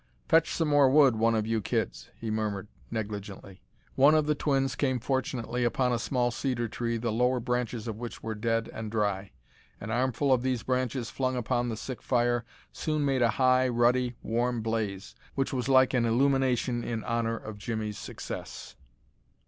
"Fetch some more wood, one of you kids," he murmured, negligently. One of the twins came fortunately upon a small cedar tree the lower branches of which were dead and dry. An armful of these branches flung upon the sick fire soon made a high, ruddy, warm blaze, which was like an illumination in honor of Jimmie's success.